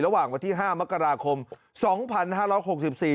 ระหว่างวันที่ห้ามกราคมสองพันห้าร้อยหกสิบสี่